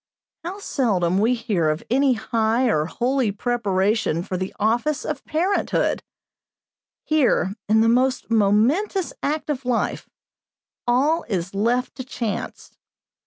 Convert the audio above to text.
How seldom we hear of any high or holy preparation for the office of parenthood! Here, in the most momentous act of life, all is left to chance.